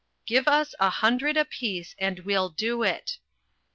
"GIVE US A HUNDRED APIECE AND WE'LL DO IT."